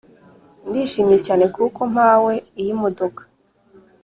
ndishimye cyane kuko mpawe iyi modoka